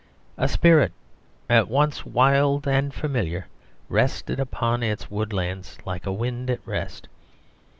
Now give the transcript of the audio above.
A spirit at once wild and familiar rested upon its wood lands like a wind at rest.